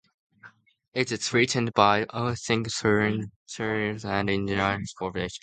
It is threatened by anything serious and is not in danger of extinction.